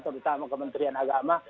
terutama kementerian agama